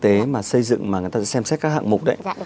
tế mà xây dựng mà người ta xem xét các hạng mục đấy